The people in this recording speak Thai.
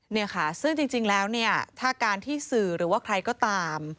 เนี่ยค่ะซึ่งจริงแล้วเนี่ยถ้าการที่สื่อหรือว่าใครก็ตาม